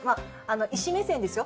医師目線ですよ